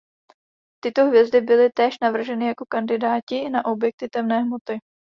Tyto hvězdy byly též navrženy jako kandidáti na objekty temné hmoty.